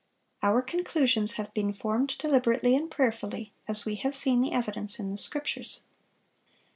Our conclusions have been formed deliberately and prayerfully, as we have seen the evidence in the Scriptures."